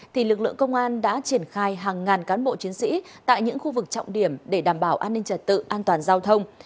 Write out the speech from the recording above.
thì lực lượng công an đã triển khai hàng ngàn cán bộ chiến sĩ tại những khu vực trọng điểm để đảm bảo an ninh trật tự an toàn giao thông